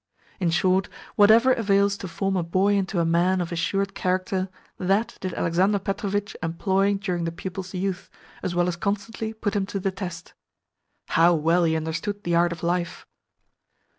In short, whatever avails to form a boy into a man of assured character, that did Alexander Petrovitch employ during the pupil's youth, as well as constantly put him to the test. How well he understood the art of life!